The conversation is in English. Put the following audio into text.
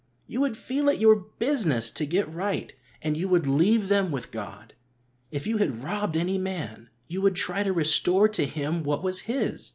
You would feel it your business to get right, and you would leave them with God. If you had robbed any man, you would try to restore to him what was his.